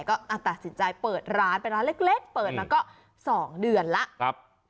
ก็ตัดสินใจเปิดร้านเป็นร้านเล็กเปิดมาก็๒เดือนแล้ว